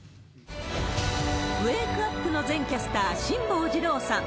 ウェークアップの前キャスター、辛坊治郎さん。